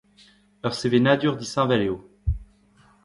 Ur sevenadur disheñvel eo.